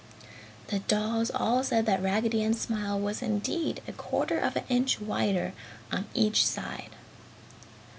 The dolls all said that Raggedy Ann's smile was indeed a quarter of an inch wider on each side.